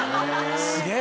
すげぇ。